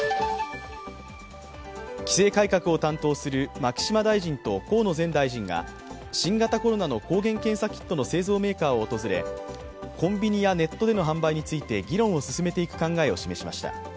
規制改革を担当する牧島大臣と河野前大臣が新型コロナの抗原検査キットの製造メーカーを訪れコンビニやネットでの販売について議論を進めていく考えを示しました。